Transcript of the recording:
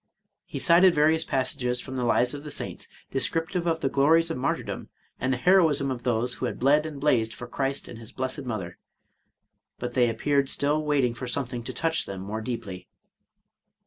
— He cited various passages from the lives of the saints, descriptive of the glories of martyrdom, and the heroism of those who had bled and blazed for Christ and his blessed mother, but they appeared still waiting for something to touch them more deeply.